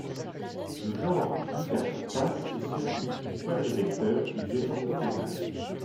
Le genre d'une hypersurface est celui du quadrivecteur qui lui est orthogonal.